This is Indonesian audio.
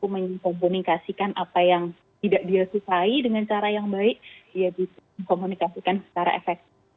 mengkomunikasikan apa yang tidak dia sukai dengan cara yang baik dia bisa mengkomunikasikan secara efektif